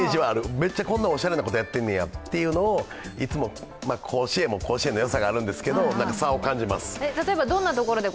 めっちゃこんな、おしゃれなことやってんねやというのを、甲子園も甲子園のよさがあるんですけど、差を感じます。